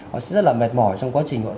họ sẽ rất là mệt mỏi trong quá trình